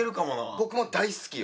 僕も大好きよ。